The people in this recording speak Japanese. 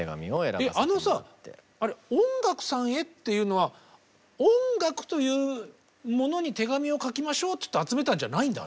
あのさあれ「音楽さんへ」っていうのは音楽というものに手紙を書きましょうって集めたんじゃないんだ。